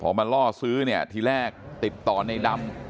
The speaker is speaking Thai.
พอมาล่อซื้อเนี่ยทีแรกติดต่อในดำ